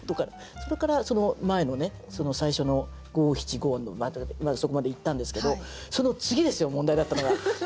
それから前のね最初の五七五まずそこまでいったんですけどその次ですよ問題だったのが。